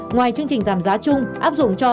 ngoài chương trình giảm giá chung áp dụng cho